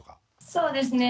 そうですね。